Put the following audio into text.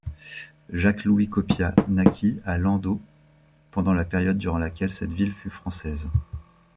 Jacques-Louis Copia naquit à Landau, pendant la période durant laquelle cette ville fut française.